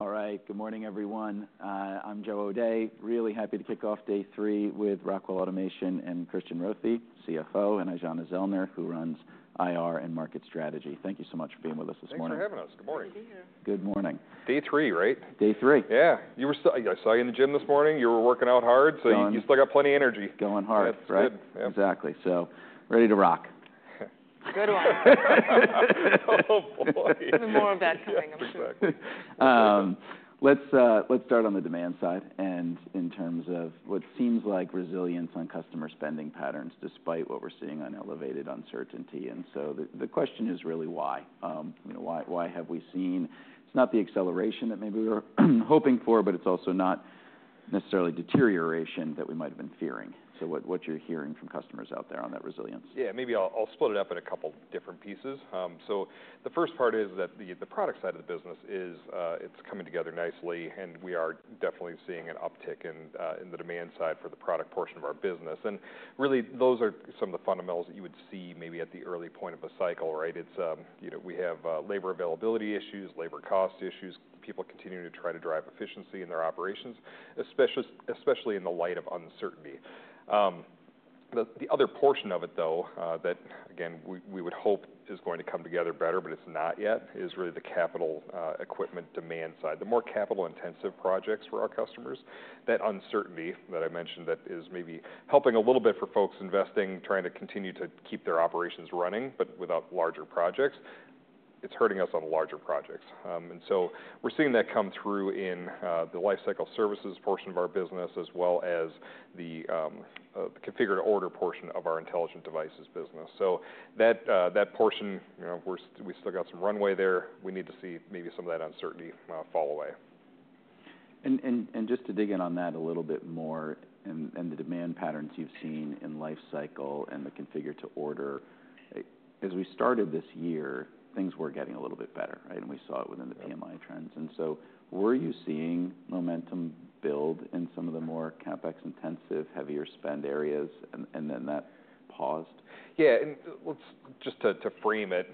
All right. Good morning, everyone. I'm Joe O'Dea. Really happy to kick off day three with Rockwell Automation and Christian Rothe, CFO, and Aijana Zellner, who runs IR and market strategy. Thank you so much for being with us this morning. Thanks for having us. Good morning. Good morning. Good morning. Day Three, right? Day Three. Yeah. You were—I saw you in the gym this morning. You were working out hard, so you still got plenty of energy. Going hard, right? That's good. Yeah. Exactly. Ready to rock. Good one. Oh, boy. Even more of that coming, I'm sure. Exactly. Let's start on the demand side and in terms of what seems like resilience on customer spending patterns despite what we're seeing on elevated uncertainty. The question is really why. You know, why have we seen—it's not the acceleration that maybe we were hoping for, but it's also not necessarily deterioration that we might have been fearing. What are you hearing from customers out there on that resilience? Yeah. Maybe I'll split it up in a couple different pieces. The first part is that the product side of the business is coming together nicely, and we are definitely seeing an uptick in the demand side for the product portion of our business. Really, those are some of the fundamentals that you would see maybe at the early point of a cycle, right? It's, you know, we have labor availability issues, labor cost issues, people continuing to try to drive efficiency in their operations, especially, especially in the light of uncertainty. The other portion of it, though, that, again, we would hope is going to come together better, but it's not yet, is really the capital equipment demand side. The more capital-intensive projects for our customers, that uncertainty that I mentioned that is maybe helping a little bit for folks investing, trying to continue to keep their operations running, but without larger projects, it is hurting us on the larger projects. We are seeing that come through in the lifecycle services portion of our business as well as the configured-to-order portion of our intelligent devices business. That portion, you know, we still got some runway there. We need to see maybe some of that uncertainty fall away. Just to dig in on that a little bit more and the demand patterns you've seen in lifecycle and the configured-to-order, as we started this year, things were getting a little bit better, right? We saw it within the PMI trends. Were you seeing momentum build in some of the more CapEx-intensive, heavier spend areas, and then that paused? Yeah. Just to frame it,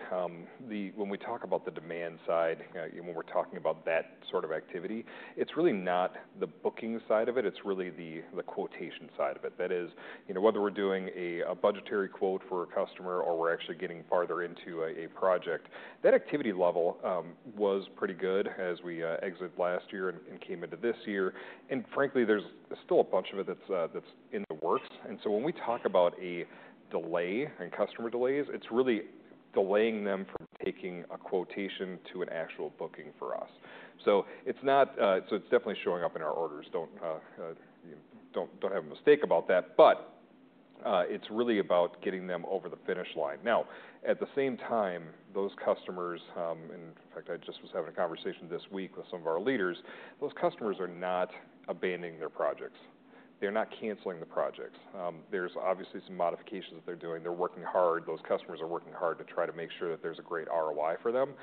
when we talk about the demand side, you know, when we're talking about that sort of activity, it's really not the booking side of it. It's really the quotation side of it. That is, you know, whether we're doing a budgetary quote for a customer or we're actually getting farther into a project. That activity level was pretty good as we exited last year and came into this year. Frankly, there's still a bunch of it that's in the works. When we talk about a delay and customer delays, it's really delaying them from taking a quotation to an actual booking for us. It's definitely showing up in our orders. Don't, you know, don't have a mistake about that. It's really about getting them over the finish line. Now, at the same time, those customers, and in fact, I just was having a conversation this week with some of our leaders. Those customers are not abandoning their projects. They're not canceling the projects. There's obviously some modifications that they're doing. They're working hard. Those customers are working hard to try to make sure that there's a great ROI for them,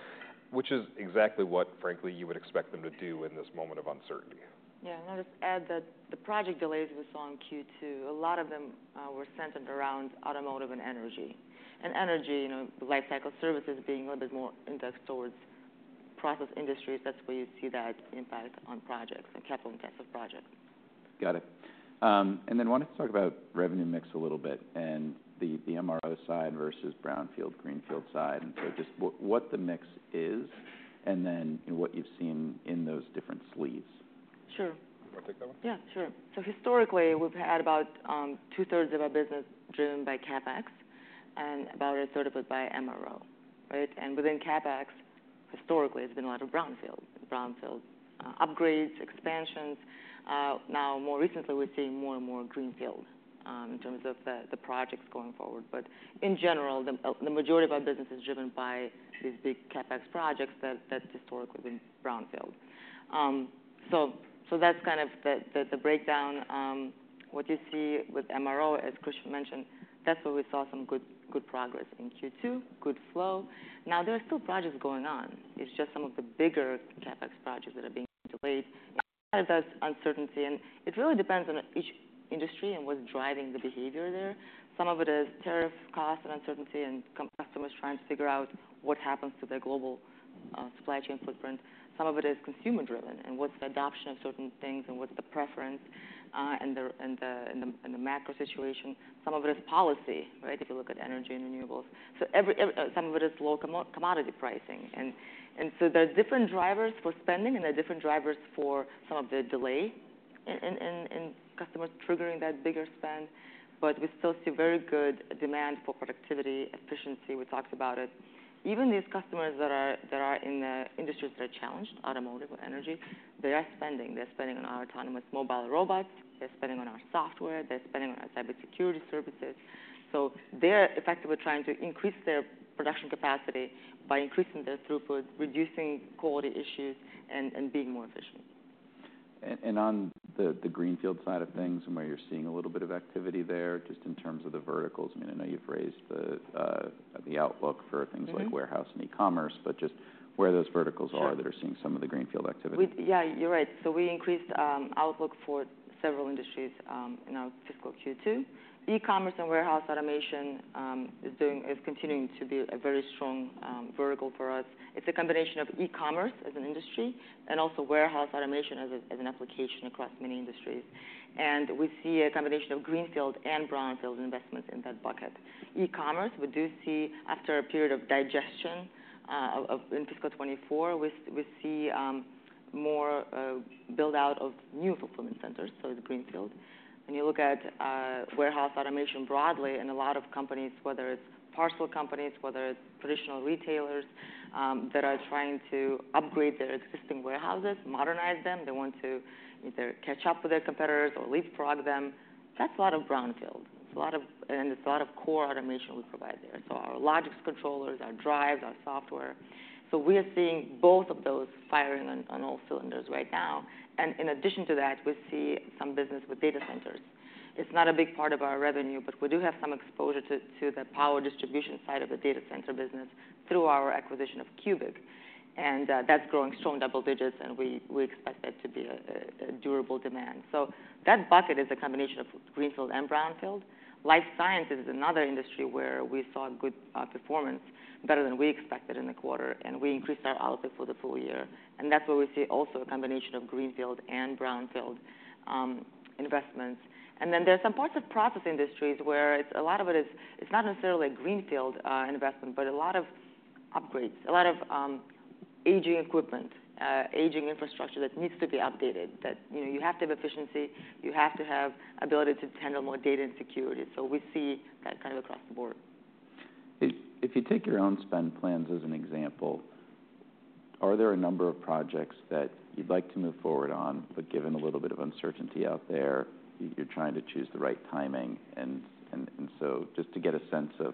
which is exactly what, frankly, you would expect them to do in this moment of uncertainty. Yeah. I'll just add that the project delays we saw in Q2, a lot of them, were centered around automotive and energy. Energy, you know, lifecycle services being a little bit more indexed towards process industries, that's where you see that impact on projects, on capital-intensive projects. Got it. And then I wanted to talk about revenue mix a little bit and the, the MRO side versus brownfield, greenfield side. And so just what, what the mix is and then, you know, what you've seen in those different sleeves. Sure. Do you want to take that one? Yeah. Sure. Historically, we've had about 2/3 of our business driven by CapEx and about 1/3 of it by MRO, right? Within CapEx, historically, there's been a lot of brownfield upgrades, expansions. Now, more recently, we're seeing more and more greenfield in terms of the projects going forward. In general, the majority of our business is driven by these big CapEx projects that historically have been brownfield. That's kind of the breakdown. What you see with MRO, as Christian mentioned, that's where we saw some good progress in Q2, good flow. There are still projects going on. It's just some of the bigger CapEx projects that are being delayed. That does add uncertainty. It really depends on each industry and what's driving the behavior there. Some of it is tariff cost and uncertainty and customers trying to figure out what happens to their global supply chain footprint. Some of it is consumer-driven and what's the adoption of certain things and what's the preference, and the macro situation. Some of it is policy, right, if you look at energy and renewables. Every—some of it is low commodity pricing. There are different drivers for spending, and there are different drivers for some of the delay in customers triggering that bigger spend. We still see very good demand for productivity, efficiency. We talked about it. Even these customers that are in the industries that are challenged, automotive or energy, they are spending. They're spending on our autonomous mobile robots. They're spending on our software. They're spending on our cybersecurity services. They're effectively trying to increase their production capacity by increasing their throughput, reducing quality issues, and being more efficient. On the greenfield side of things and where you're seeing a little bit of activity there just in terms of the verticals, I mean, I know you've raised the outlook for things like warehouse and e-commerce, but just where those verticals are that are seeing some of the greenfield activity. Yeah, you're right. We increased outlook for several industries in our fiscal Q2. E-commerce and warehouse automation is continuing to be a very strong vertical for us. It's a combination of e-commerce as an industry and also warehouse automation as an application across many industries. We see a combination of greenfield and brownfield investments in that bucket. E-commerce, we do see after a period of digestion in fiscal 2024, we see more build-out of new fulfillment centers. It is greenfield. When you look at warehouse automation broadly and a lot of companies, whether it's parcel companies, whether it's traditional retailers that are trying to upgrade their existing warehouses, modernize them, they want to either catch up with their competitors or leapfrog them, that's a lot of brownfield. It's a lot of core automation we provide there. Our Logix controllers, our drives, our software. We are seeing both of those firing on all cylinders right now. In addition to that, we see some business with data centers. It's not a big part of our revenue, but we do have some exposure to the power distribution side of the data center business through our acquisition of CUBIC. That's growing strong double digits, and we expect that to be a durable demand. That bucket is a combination of greenfield and brownfield. Life sciences is another industry where we saw good performance, better than we expected in the quarter, and we increased our outlook for the full year. That's where we see also a combination of greenfield and brownfield investments. There are some parts of process industries where a lot of it is, it's not necessarily a greenfield investment, but a lot of upgrades, a lot of aging equipment, aging infrastructure that needs to be updated, that, you know, you have to have efficiency. You have to have ability to handle more data and security. We see that kind of across the board. If you take your own spend plans as an example, are there a number of projects that you'd like to move forward on, but given a little bit of uncertainty out there, you're trying to choose the right timing? Just to get a sense of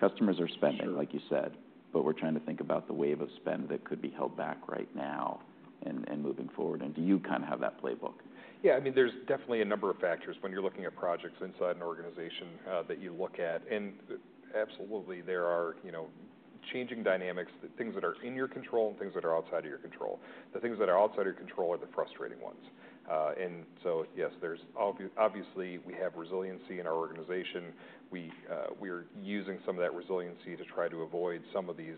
customers are spending, like you said, but we're trying to think about the wave of spend that could be held back right now and moving forward. Do you kind of have that playbook? Yeah. I mean, there's definitely a number of factors when you're looking at projects inside an organization that you look at. And absolutely, there are, you know, changing dynamics, things that are in your control and things that are outside of your control. The things that are outside of your control are the frustrating ones. Yes, obviously, we have resiliency in our organization. We are using some of that resiliency to try to avoid some of these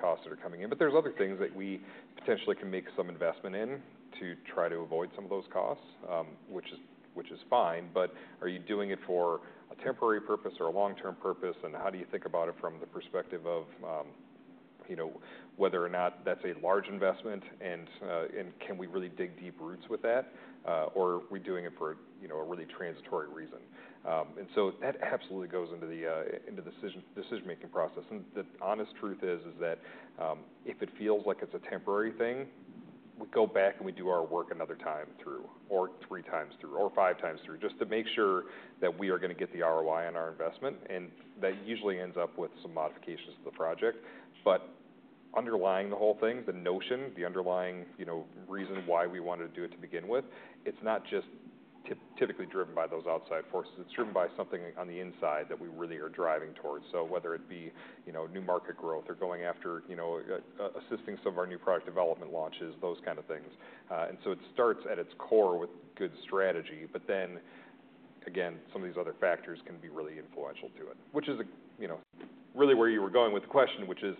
costs that are coming in. There are other things that we potentially can make some investment in to try to avoid some of those costs, which is fine. Are you doing it for a temporary purpose or a long-term purpose? How do you think about it from the perspective of, you know, whether or not that's a large investment and can we really dig deep roots with that, or are we doing it for, you know, a really transitory reason? That absolutely goes into the decision-making process. The honest truth is, if it feels like it's a temporary thing, we go back and we do our work another time through, or three times through, or five times through just to make sure that we are gonna get the ROI on our investment. That usually ends up with some modifications to the project. Underlying the whole thing, the notion, the underlying, you know, reason why we wanted to do it to begin with, it's not just typically driven by those outside forces. It's driven by something on the inside that we really are driving towards. Whether it be, you know, new market growth or going after, you know, assisting some of our new product development launches, those kind of things. It starts at its core with good strategy. Then, again, some of these other factors can be really influential to it, which is, you know, really where you were going with the question, which is,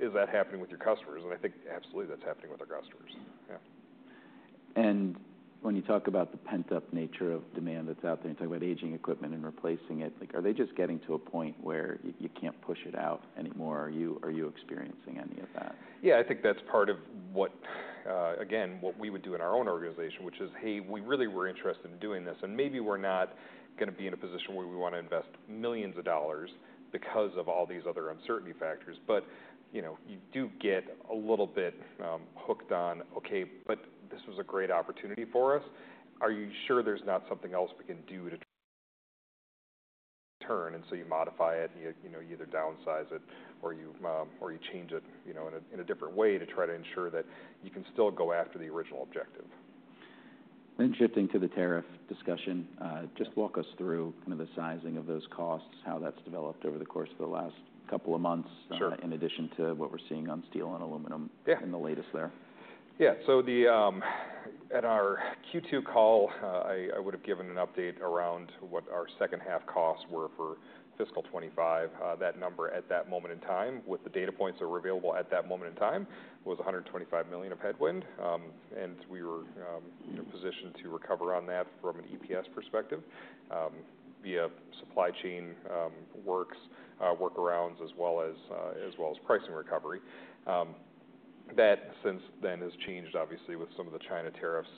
is that happening with your customers? I think absolutely that's happening with our customers. Yeah. When you talk about the pent-up nature of demand that's out there and you talk about aging equipment and replacing it, like, are they just getting to a point where you can't push it out anymore? Are you experiencing any of that? Yeah. I think that's part of what, again, what we would do in our own organization, which is, hey, we really were interested in doing this, and maybe we're not gonna be in a position where we wanna invest millions of dollars because of all these other uncertainty factors. But, you know, you do get a little bit, hooked on, okay, but this was a great opportunity for us. Are you sure there's not something else we can do to turn? And so you modify it, and you, you know, you either downsize it or you, or you change it, you know, in a, in a different way to try to ensure that you can still go after the original objective. Shifting to the tariff discussion, just walk us through kind of the sizing of those costs, how that's developed over the course of the last couple of months. Sure. In addition to what we're seeing on steel and aluminum. Yeah. The latest there. Yeah. At our Q2 call, I would've given an update around what our second-half costs were for fiscal 2025. That number at that moment in time, with the data points that were available at that moment in time, was $125 million of headwind. We were, you know, positioned to recover on that from an EPS perspective, via supply chain workarounds, as well as pricing recovery. That since then has changed, obviously, with some of the China tariffs,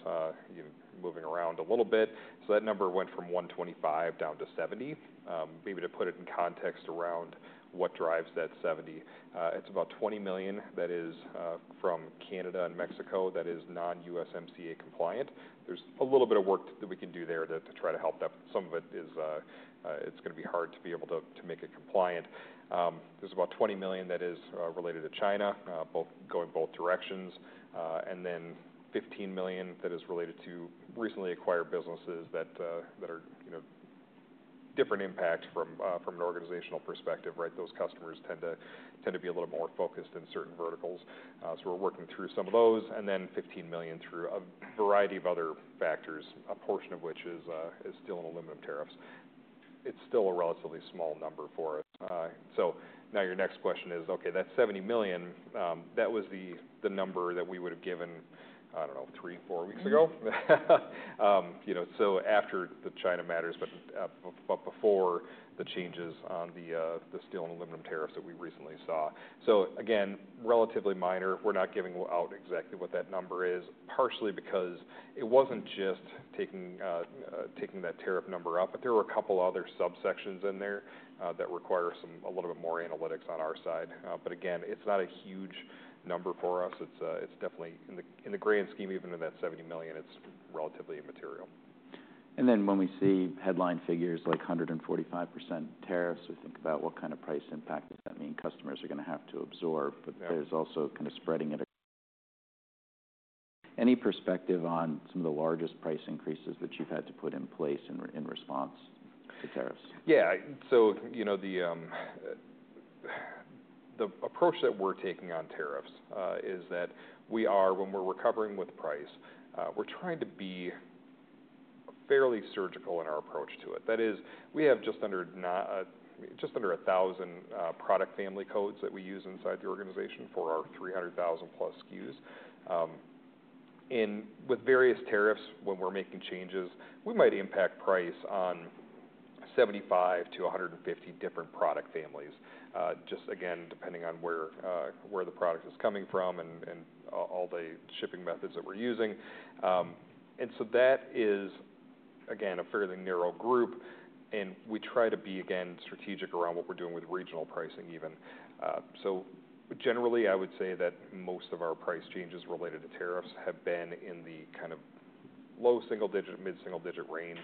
you know, moving around a little bit. That number went from $125 million down to $70 million. Maybe to put it in context around what drives that $70 million, it's about $20 million that is from Canada and Mexico that is non-USMCA compliant. There's a little bit of work that we can do there to try to help that. Some of it is, it's gonna be hard to be able to, to make it compliant. There's about $20 million that is related to China, both going both directions, and then $15 million that is related to recently acquired businesses that are, you know, different impact from an organizational perspective, right? Those customers tend to, tend to be a little more focused in certain verticals. We're working through some of those. Then $15 million through a variety of other factors, a portion of which is still in aluminum tariffs. It's still a relatively small number for us. Now your next question is, okay, that $70 million, that was the number that we would've given, I don't know, three, four weeks ago. You know, after the China matters, but before the changes on the steel and aluminum tariffs that we recently saw. Again, relatively minor. We're not giving out exactly what that number is, partially because it wasn't just taking that tariff number up, but there were a couple other subsections in there that require a little bit more analytics on our side. Again, it's not a huge number for us. It's definitely in the grand scheme, even in that $70 million, it's relatively immaterial. When we see headline figures like 145% tariffs, we think about what kind of price impact that mean customers are gonna have to absorb. There's also kind of spreading it. Any perspective on some of the largest price increases that you've had to put in place in, in response to tariffs? Yeah. So, you know, the approach that we're taking on tariffs is that we are, when we're recovering with price, we're trying to be fairly surgical in our approach to it. That is, we have just under 1,000 product family codes that we use inside the organization for our 300,000-plus SKUs. And with various tariffs, when we're making changes, we might impact price on 75-150 different product families, just again, depending on where the product is coming from and all the shipping methods that we're using. And so that is, again, a fairly narrow group. We try to be, again, strategic around what we're doing with regional pricing even. Generally, I would say that most of our price changes related to tariffs have been in the kind of low single-digit, mid-single-digit range.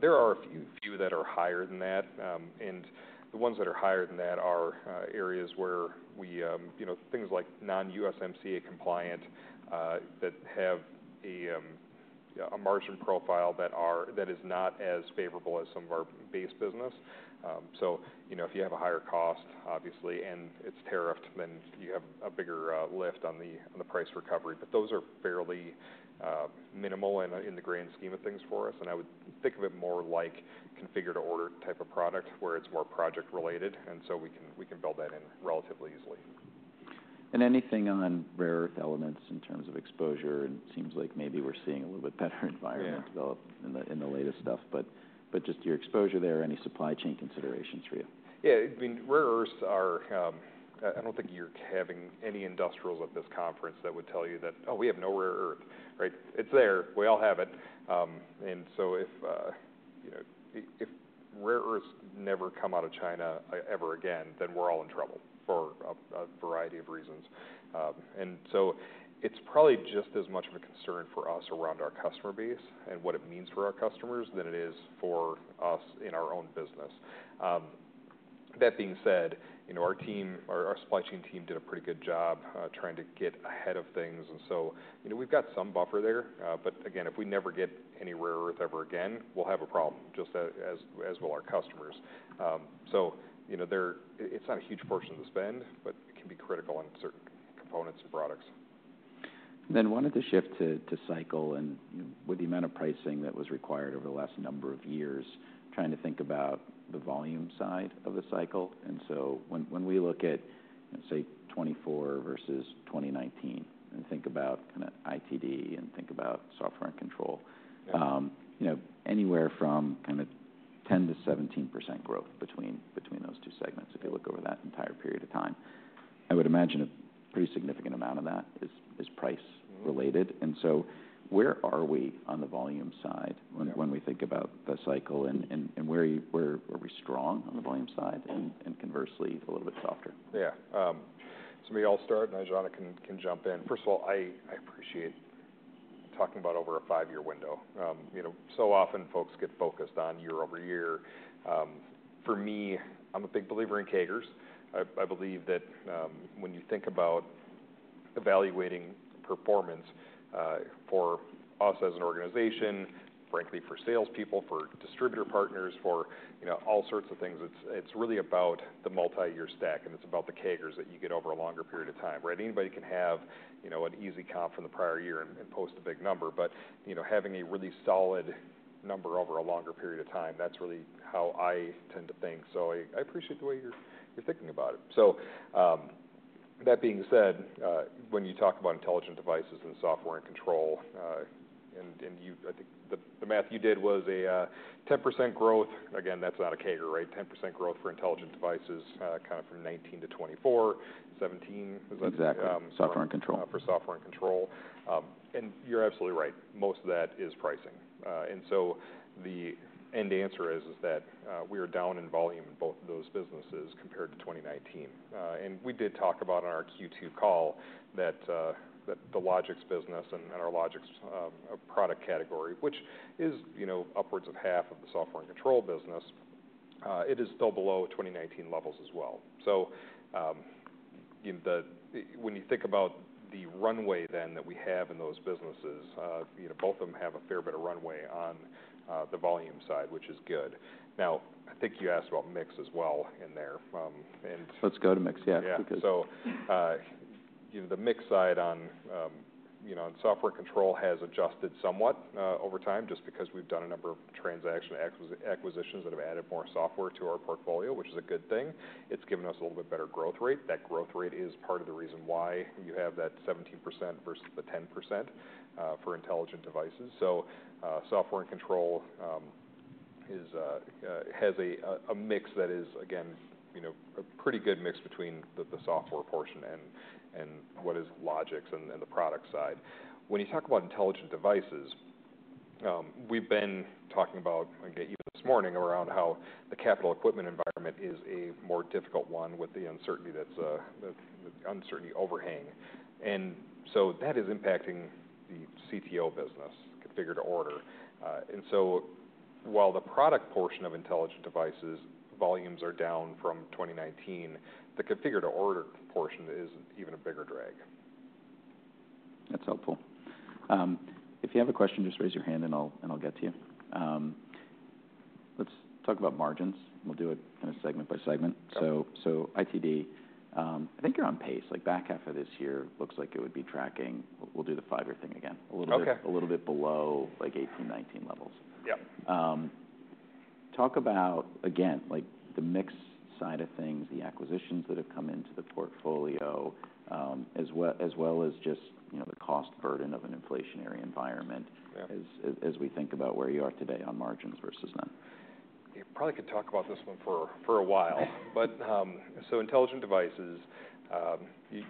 There are a few, few that are higher than that. The ones that are higher than that are areas where we, you know, things like non-USMCA compliant, that have a margin profile that is not as favorable as some of our base business. You know, if you have a higher cost, obviously, and it's tariffed, then you have a bigger lift on the price recovery. Those are fairly minimal in the grand scheme of things for us. I would think of it more like configure-to-order type of product where it's more project-related. We can build that in relatively easily. Anything on rare earth elements in terms of exposure? It seems like maybe we're seeing a little bit better environment develop in the latest stuff. Just your exposure there, any supply chain considerations for you? Yeah. I mean, rare earths are, I don't think you're having any industrials at this conference that would tell you that, "Oh, we have no rare earth," right? It's there. We all have it. And so if, you know, if rare earths never come out of China, ever again, then we're all in trouble for a variety of reasons. And so it's probably just as much of a concern for us around our customer base and what it means for our customers than it is for us in our own business. That being said, you know, our team, our supply chain team did a pretty good job, trying to get ahead of things. And so, you know, we've got some buffer there. But again, if we never get any rare earth ever again, we'll have a problem just as, as will our customers. You know, it's not a huge portion of the spend, but it can be critical on certain components and products. I wanted to shift to cycle and with the amount of pricing that was required over the last number of years, trying to think about the volume side of the cycle. When we look at, say, 2024 versus 2019 and think about kind of ITD and think about software and control, you know, anywhere from 10%-17% growth between those two segments if you look over that entire period of time. I would imagine a pretty significant amount of that is price-related. Where are we on the volume side when we think about the cycle? Where are we strong on the volume side? Conversely, a little bit softer? Yeah. Maybe I'll start, and Aijana can jump in. First of all, I appreciate talking about over a five-year window. You know, so often folks get focused on year-over-year. For me, I'm a big believer in CAGRs. I believe that, when you think about evaluating performance, for us as an organization, frankly, for salespeople, for distributor partners, for, you know, all sorts of things, it's really about the multi-year stack, and it's about the CAGRs that you get over a longer period of time, right? Anybody can have, you know, an easy comp from the prior year and post a big number. You know, having a really solid number over a longer period of time, that's really how I tend to think. I appreciate the way you're thinking about it. That being said, when you talk about intelligent devices and software and control, and you, I think the math you did was a 10% growth. Again, that's not a CAGR, right? 10% growth for intelligent devices, kind of from 2019 to 2024, 17%. Is that? Exactly. Software and Control. For Software and Control. And you're absolutely right. Most of that is pricing. And so the end answer is, is that we are down in volume in both of those businesses compared to 2019. And we did talk about on our Q2 call that the Logix business and our Logix product category, which is, you know, upwards of half of the Software and Control business, it is still below 2019 levels as well. So, you know, when you think about the runway then that we have in those businesses, you know, both of them have a fair bit of runway on the volume side, which is good. Now, I think you asked about mix as well in there. And. Let's go to mix. Yeah. Yeah. Because. Yeah. So, you know, the mix side on, you know, on Software and Control has adjusted somewhat over time just because we've done a number of transaction acquisitions that have added more software to our portfolio, which is a good thing. It's given us a little bit better growth rate. That growth rate is part of the reason why you have that 17% versus the 10% for intelligent devices. So, Software and Control has a mix that is, again, you know, a pretty good mix between the software portion and what is Logix and the product side. When you talk about intelligent devices, we've been talking about, again, even this morning around how the capital equipment environment is a more difficult one with the uncertainty that's the uncertainty overhang. And so that is impacting the CTO business, configure-to-order. and so while the product portion of intelligent devices volumes are down from 2019, the configure-to-order portion is even a bigger drag. That's helpful. If you have a question, just raise your hand, and I'll get to you. Let's talk about margins. We'll do it kind of segment by segment. Okay. So, ITD, I think you're on pace. Like, back half of this year, it looks like it would be tracking. We'll do the five-year thing again. A little bit. Okay. A little bit below, like, 2018, 2019 levels. Yep. talk about, again, like, the mix side of things, the acquisitions that have come into the portfolio, as well as just, you know, the cost burden of an inflationary environment. Yeah. As we think about where you are today on margins versus them. You probably could talk about this one for a while. But, so intelligent devices,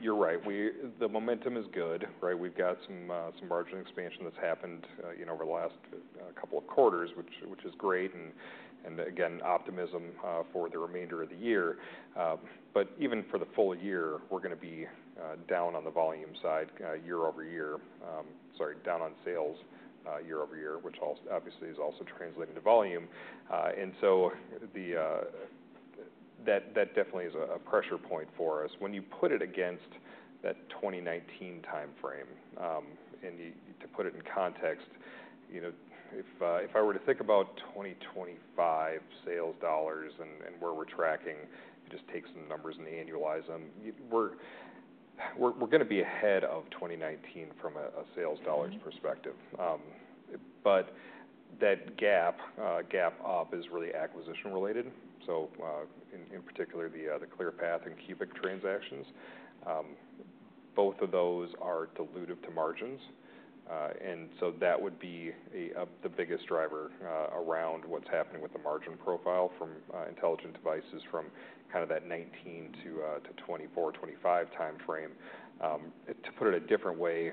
you're right. We, the momentum is good, right? We've got some margin expansion that's happened, you know, over the last couple of quarters, which is great. And, again, optimism for the remainder of the year. But even for the full year, we're gonna be down on the volume side, year over year. Sorry, down on sales, year over year, which obviously is also translating to volume. And so that definitely is a pressure point for us. When you put it against that 2019 timeframe, and to put it in context, you know, if I were to think about 2025 sales dollars and where we're tracking, just take some numbers and annualize them, we're gonna be ahead of 2019 from a sales dollars perspective. That gap up is really acquisition-related. In particular, the Clearpath and CUBIC transactions, both of those are dilutive to margins. That would be the biggest driver around what's happening with the margin profile from intelligent devices from kind of that 2019 to 2024, 2025 timeframe. To put it a different way,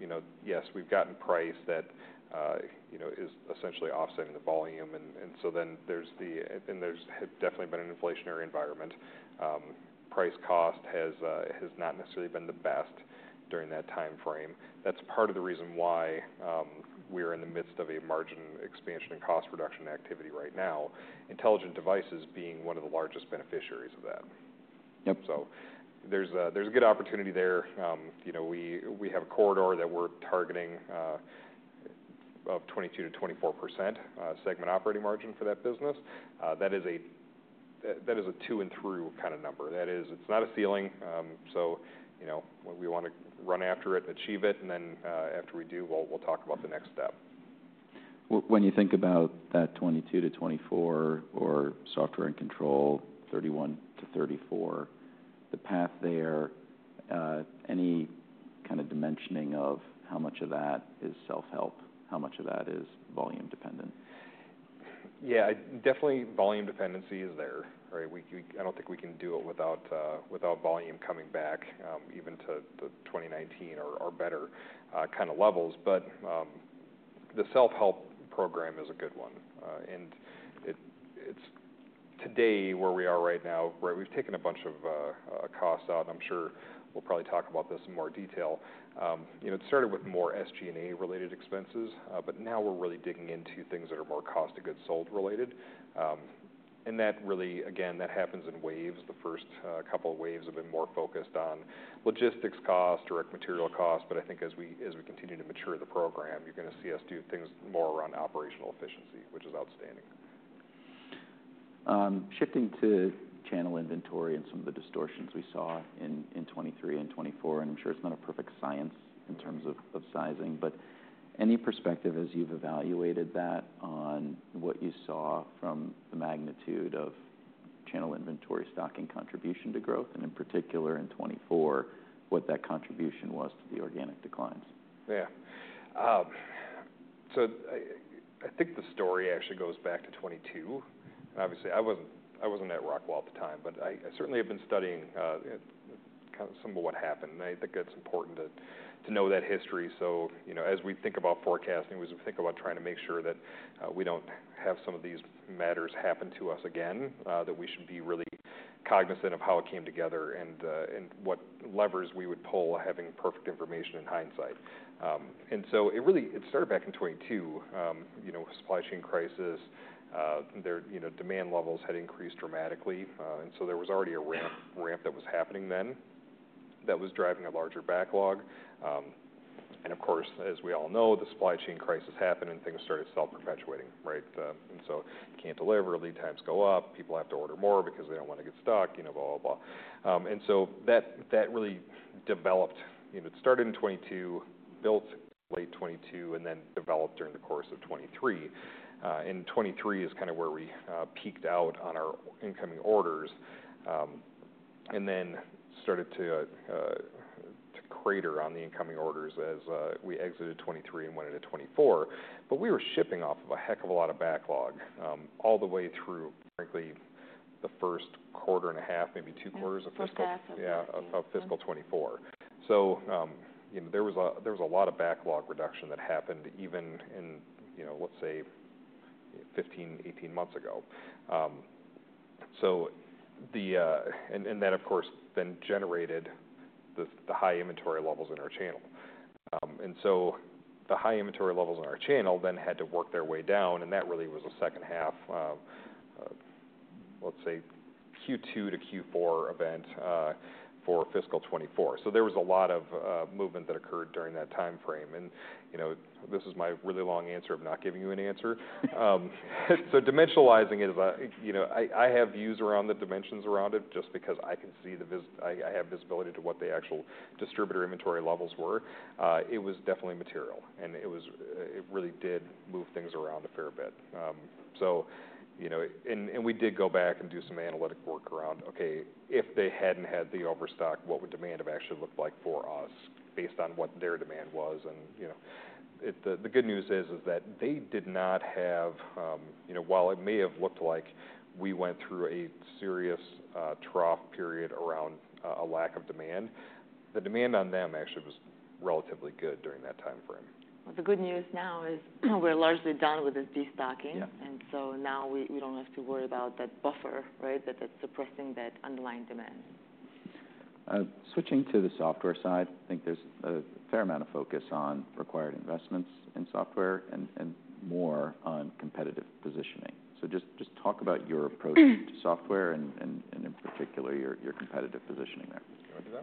you know, yes, we've gotten price that is essentially offsetting the volume. There's definitely been an inflationary environment. Price cost has not necessarily been the best during that timeframe. That's part of the reason why we are in the midst of a margin expansion and cost reduction activity right now, intelligent devices being one of the largest beneficiaries of that. Yep. There's a good opportunity there. You know, we have a corridor that we're targeting of 22%-24% segment operating margin for that business. That is a to-and-through kind of number. That is, it's not a ceiling. You know, we want to run after it and achieve it. And then, after we do, we'll talk about the next step. When you think about that 22%-24% or Software and Control 31%-34%, the path there, any kind of dimensioning of how much of that is self-help, how much of that is volume-dependent? Yeah. I definitely, volume dependency is there, right? We, I don't think we can do it without, without volume coming back, even to 2019 or better, kind of levels. The self-help program is a good one, and it's today where we are right now, right? We've taken a bunch of costs out. I'm sure we'll probably talk about this in more detail. You know, it started with more SG&A-related expenses, but now we're really digging into things that are more cost-to-goods sold related. That really, again, that happens in waves. The first couple of waves have been more focused on logistics cost, direct material cost. I think as we continue to mature the program, you're gonna see us do things more around operational efficiency, which is outstanding. Shifting to channel inventory and some of the distortions we saw in 2023 and 2024. I'm sure it's not a perfect science in terms of sizing. Any perspective as you've evaluated that on what you saw from the magnitude of channel inventory stocking contribution to growth, and in particular in 2024, what that contribution was to the organic declines? Yeah. I think the story actually goes back to 2022. Obviously, I wasn't at Rockwell at the time. I certainly have been studying kind of some of what happened. I think it's important to know that history. You know, as we think about forecasting, we think about trying to make sure that we don't have some of these matters happen to us again, that we should be really cognizant of how it came together and what levers we would pull having perfect information in hindsight. It really started back in 2022. You know, supply chain crisis, there, you know, demand levels had increased dramatically. There was already a ramp that was happening then that was driving a larger backlog. And of course, as we all know, the supply chain crisis happened and things started self-perpetuating, right? You cannot deliver. Lead times go up. People have to order more because they do not want to get stuck, you know, blah, blah, blah. That really developed, you know, it started in 2022, built late 2022, and then developed during the course of 2023. 2023 is kind of where we peaked out on our incoming orders, and then started to crater on the incoming orders as we exited 2023 and went into 2024. We were shipping off of a heck of a lot of backlog, all the way through, frankly, the first quarter and a half, maybe two quarters of fiscal. Fiscal half of 2024. Yeah, of fiscal 2024. You know, there was a lot of backlog reduction that happened even in, you know, let's say 15, 18 months ago. That, of course, then generated the high inventory levels in our channel. The high inventory levels in our channel then had to work their way down. That really was the second half, let's say Q2 to Q4 event, for fiscal 2024. There was a lot of movement that occurred during that timeframe. You know, this is my really long answer of not giving you an answer. Dimensionalizing it is a, you know, I have views around the dimensions around it just because I can see the vis, I have visibility to what the actual distributor inventory levels were. It was definitely material. It really did move things around a fair bit. You know, we did go back and do some analytic work around, okay, if they had not had the overstock, what would demand have actually looked like for us based on what their demand was? The good news is that they did not have, you know, while it may have looked like we went through a serious trough period around a lack of demand, the demand on them actually was relatively good during that timeframe. The good news now is we're largely done with this destocking. Yeah. We do not have to worry about that buffer, right, that is suppressing that underlying demand. Switching to the software side, I think there's a fair amount of focus on required investments in software and more on competitive positioning. Just talk about your approach to software and, in particular, your competitive positioning there. Can you do that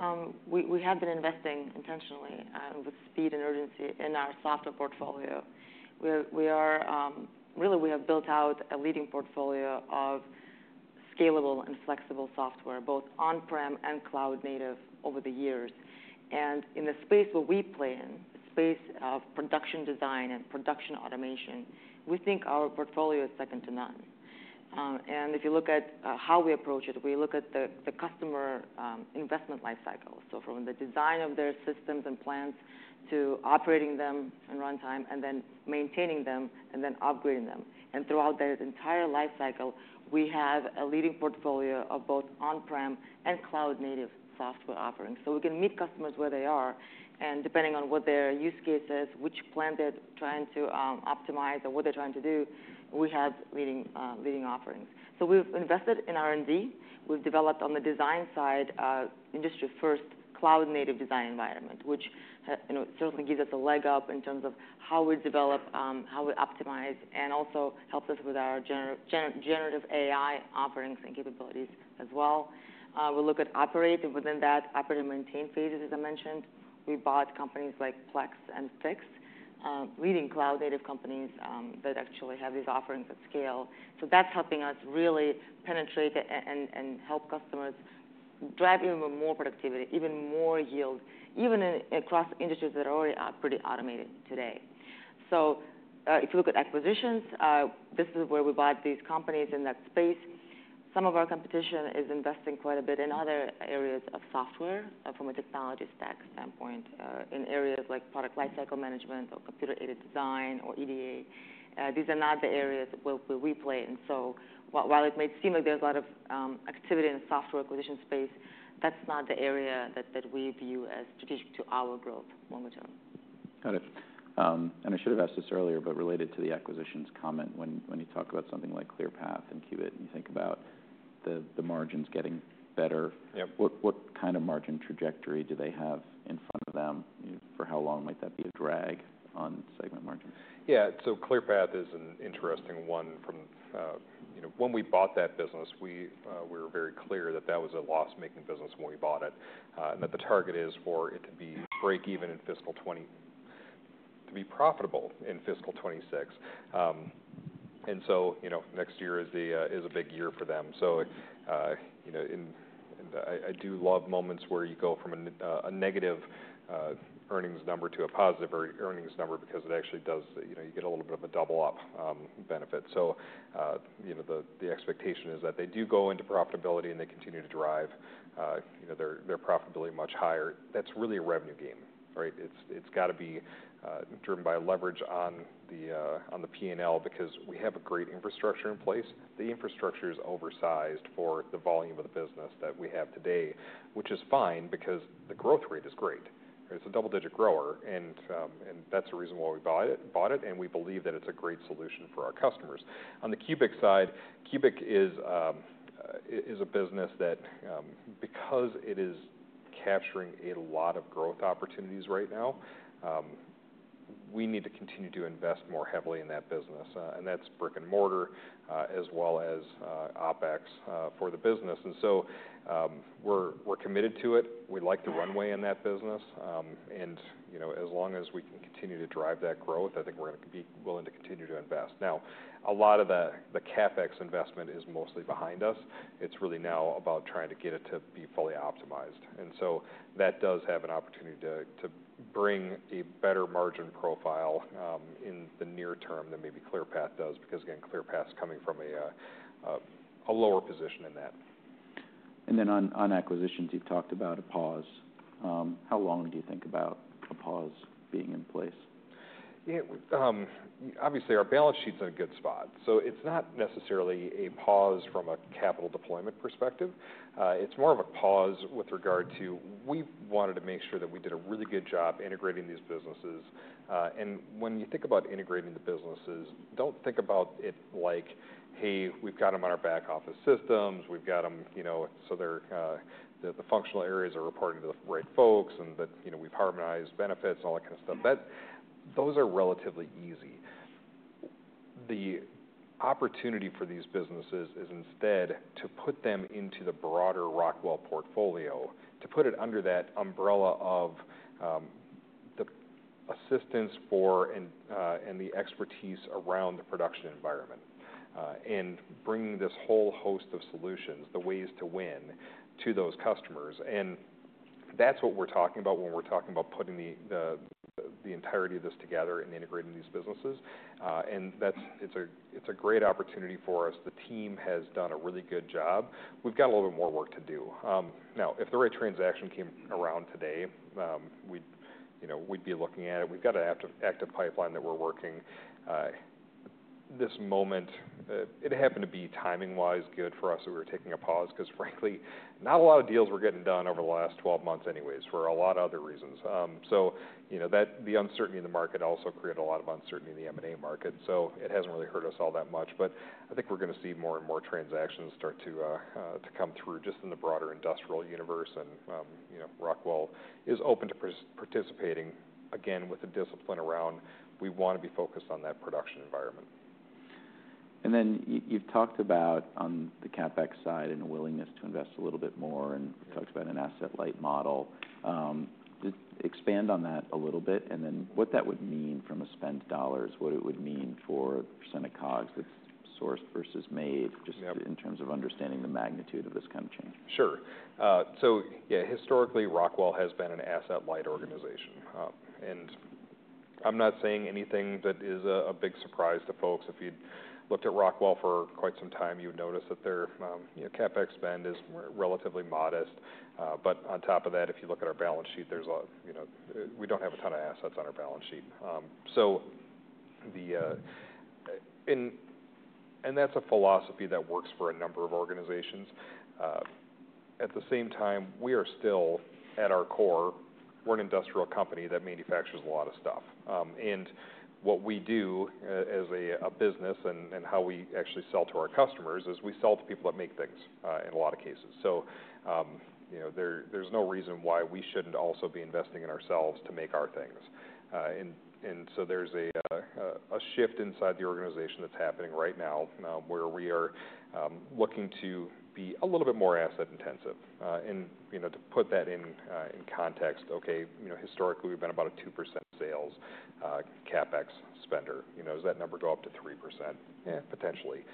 one? Sure. We have been investing intentionally, with speed and urgency in our software portfolio. We are, really, we have built out a leading portfolio of scalable and flexible software, both on-prem and cloud-native over the years. In the space where we play in, the space of production design and production automation, we think our portfolio is second to none. If you look at how we approach it, we look at the customer investment life cycles, from the design of their systems and plans to operating them in runtime and then maintaining them and then upgrading them. Throughout that entire life cycle, we have a leading portfolio of both on-prem and cloud-native software offerings. We can meet customers where they are. Depending on what their use case is, which plan they're trying to optimize or what they're trying to do, we have leading offerings. We've invested in R&D. We've developed on the design side, industry-first cloud-native design environment, which, you know, certainly gives us a leg up in terms of how we develop, how we optimize, and also helps us with our generative AI offerings and capabilities as well. We look at operating within that operating-maintain phases, as I mentioned. We bought companies like Plex and Fiix, leading cloud-native companies, that actually have these offerings at scale. That's helping us really penetrate and help customers drive even more productivity, even more yield, even in across industries that are already pretty automated today. If you look at acquisitions, this is where we bought these companies in that space. Some of our competition is investing quite a bit in other areas of software from a technology stack standpoint, in areas like product lifecycle management or computer-aided design or EDA. These are not the areas where we play. While it may seem like there's a lot of activity in the software acquisition space, that's not the area that we view as strategic to our growth longer term. Got it. I should have asked this earlier, but related to the acquisitions comment, when you talk about something like Clearpath and CUBIC and you think about the margins getting better. Yep. What kind of margin trajectory do they have in front of them? You know, for how long might that be a drag on segment margins? Yeah. Clearpath is an interesting one from, you know, when we bought that business, we were very clear that that was a loss-making business when we bought it, and that the target is for it to be break-even in fiscal 2025, to be profitable in fiscal 2026. You know, next year is a big year for them. You know, I do love moments where you go from a negative earnings number to a positive earnings number because it actually does, you know, you get a little bit of a double-up benefit. You know, the expectation is that they do go into profitability and they continue to drive, you know, their profitability much higher. That is really a revenue game, right? It's gotta be driven by leverage on the P&L because we have a great infrastructure in place. The infrastructure is oversized for the volume of the business that we have today, which is fine because the growth rate is great. It's a double-digit grower. That's the reason why we bought it. We believe that it's a great solution for our customers. On the CUBIC side, CUBIC is a business that, because it is capturing a lot of growth opportunities right now, we need to continue to invest more heavily in that business. That's brick and mortar, as well as OpEx, for the business. We're committed to it. We like the runway in that business. You know, as long as we can continue to drive that growth, I think we're gonna be willing to continue to invest. Now, a lot of the CapEx investment is mostly behind us. It's really now about trying to get it to be fully optimized. That does have an opportunity to bring a better margin profile in the near term than maybe Clearpath does because, again, Clearpath's coming from a lower position in that. On acquisitions, you've talked about a pause. How long do you think about a pause being in place? Yeah. Obviously, our balance sheet's in a good spot. It's not necessarily a pause from a capital deployment perspective. It's more of a pause with regard to we wanted to make sure that we did a really good job integrating these businesses. And when you think about integrating the businesses, don't think about it like, "Hey, we've got them on our back office systems. We've got them, you know, so the functional areas are reporting to the right folks and that, you know, we've harmonized benefits and all that kind of stuff." Those are relatively easy. The opportunity for these businesses is instead to put them into the broader Rockwell portfolio, to put it under that umbrella of the assistance for and the expertise around the production environment, and bringing this whole host of solutions, the ways to win to those customers. That is what we are talking about when we are talking about putting the entirety of this together and integrating these businesses. It is a great opportunity for us. The team has done a really good job. We have got a little bit more work to do. Now, if the right transaction came around today, we would be looking at it. We have got an active pipeline that we are working. At this moment, it happened to be timing-wise good for us that we were taking a pause because, frankly, not a lot of deals were getting done over the last 12 months anyway for a lot of other reasons. You know, the uncertainty in the market also created a lot of uncertainty in the M&A market. It has not really hurt us all that much. I think we're gonna see more and more transactions start to come through just in the broader industrial universe. You know, Rockwell is open to participating again with the discipline around we wanna be focused on that production environment. You talked about on the CapEx side and a willingness to invest a little bit more, and you talked about an asset-light model. Expand on that a little bit and then what that would mean from a spend dollars, what it would mean for percent of COGS that's sourced versus made just in terms of understanding the magnitude of this kind of change. Sure. Yeah, historically, Rockwell has been an asset-light organization. I'm not saying anything that is a big surprise to folks. If you'd looked at Rockwell for quite some time, you'd notice that their, you know, CapEx spend is relatively modest. On top of that, if you look at our balance sheet, there's a, you know, we don't have a ton of assets on our balance sheet. That is a philosophy that works for a number of organizations. At the same time, we are still at our core, we're an industrial company that manufactures a lot of stuff. What we do as a business and how we actually sell to our customers is we sell to people that make things, in a lot of cases. You know, there is no reason why we should not also be investing in ourselves to make our things. And there is a shift inside the organization that is happening right now, where we are looking to be a little bit more asset-intensive. You know, to put that in context, historically, we have been about a 2% sales, CapEx spender. You know, does that number go up to 3%? Yeah, potentially.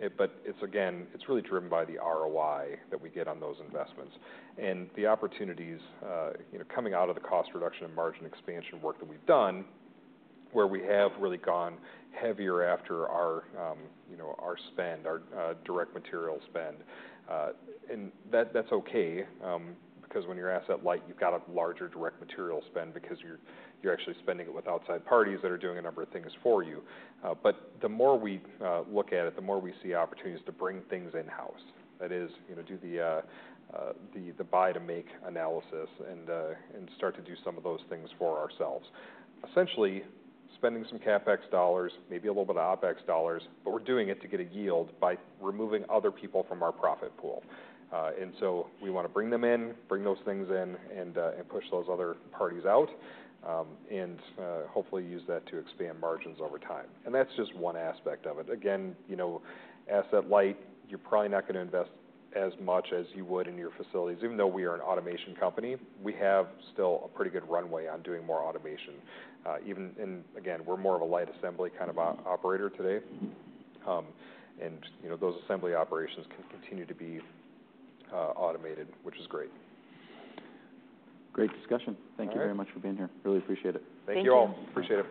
It is really driven by the ROI that we get on those investments. The opportunities coming out of the cost reduction and margin expansion work that we have done, where we have really gone heavier after our spend, our direct material spend. and that's okay, because when you're asset-light, you've got a larger direct material spend because you're actually spending it with outside parties that are doing a number of things for you. The more we look at it, the more we see opportunities to bring things in-house. That is, you know, do the buy-to-make analysis and start to do some of those things for ourselves. Essentially, spending some CapEx dollars, maybe a little bit of OpEx dollars, but we're doing it to get a yield by removing other people from our profit pool. We want to bring them in, bring those things in, and push those other parties out, and hopefully use that to expand margins over time. That's just one aspect of it. Again, you know, asset-light, you're probably not gonna invest as much as you would in your facilities. Even though we are an automation company, we have still a pretty good runway on doing more automation. Even in, again, we're more of a light assembly kind of a operator today, and, you know, those assembly operations can continue to be automated, which is great. Great discussion. Thank you very much for being here. Really appreciate it. Thank you all. Appreciate it.